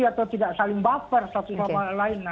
atau tidak saling baper satu sama lain